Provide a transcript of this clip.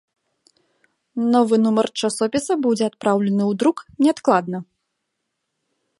Новы нумар часопіса будзе адпраўлены ў друк неадкладна.